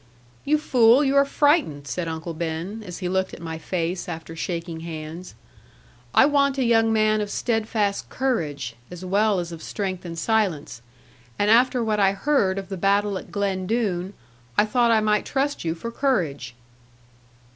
'You fool, you are frightened,' said Uncle Ben, as he looked at my face after shaking hands: 'I want a young man of steadfast courage, as well as of strength and silence. And after what I heard of the battle at Glen Doone, I thought I might trust you for courage.'